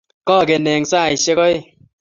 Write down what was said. kakeny eng saishek aeng